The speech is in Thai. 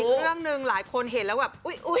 อีกเรื่องหนึ่งหลายคนเห็นแล้วแบบอุ๊ย